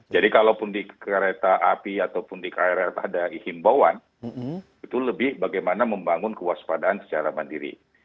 jadi kalaupun di kereta api ataupun di krl ada ihimbauan itu lebih bagaimana membangun kewaspadaan secara mandiri